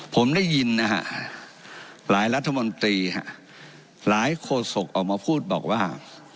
ผมได้ยินนะฮะหลายรัฐมนตรีฮะหลายโฆษกออกมาพูดบอกว่า